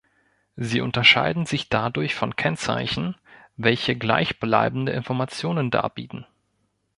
Sie unterscheiden sich dadurch von Kennzeichen, welche gleichbleibende Informationen darbieten.